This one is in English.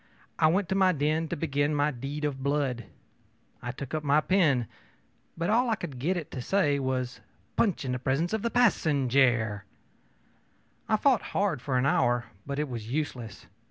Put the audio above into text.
I went to my den to begin my deed of blood. I took up my pen, but all I could get it to say was, ōPunch in the presence of the passenjare.ö I fought hard for an hour, but it was useless.